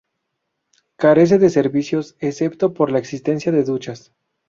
Carece de servicios excepto por la existencia de duchas.